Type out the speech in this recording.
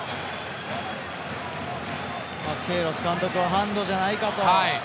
ケイロス監督はハンドじゃないかと。